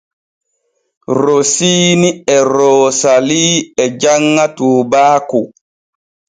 Rosiini e Roosalii e janŋa tuubaaku.